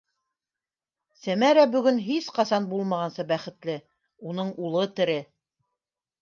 Сәмәрә бөгөн һис ҡасан булмағанса бәхетле: уның улы тере!